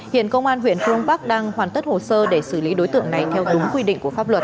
hiện công an huyện phương bắc đang hoàn tất hồ sơ để xử lý đối tượng này theo đúng quy định của pháp luật